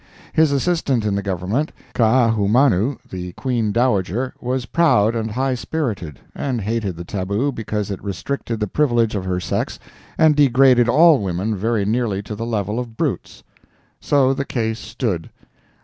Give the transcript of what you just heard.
His assistant in the Government, Kaahumanu, the Queen dowager, was proud and high spirited, and hated the tabu because it restricted the privileges of her sex and degraded all women very nearly to the level of brutes. So the case stood.